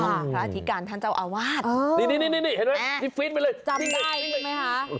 พระอธิการท่านเจ้าอาวาสนี่นี่เห็นไหมที่ฟีดไปเลยจำได้ใช่ไหมคะ